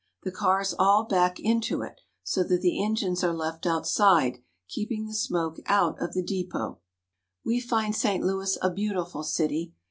The cars all back into it, so that the engines are left outside, keeping the smoke out of the depot. We find St. Louis a beautiful city.